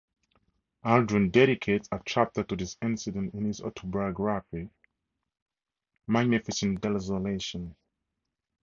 Aldrin dedicates a chapter to this incident in his autobiography "Magnificent Desolation".